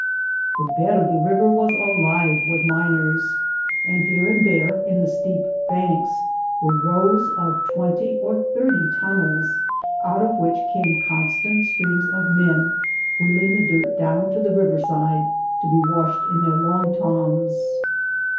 The bed of the river was alive with miners; and here and there, in the steep banks, were rows of twenty or thirty tunnels, out of which came constant streams of men, wheeling the dirt down to the river side, to be washed in their long toms.